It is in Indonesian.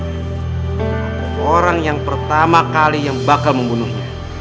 atau orang yang pertama kali yang bakal membunuhnya